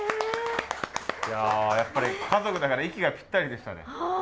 いややっぱり家族だから息がぴったりでしたね。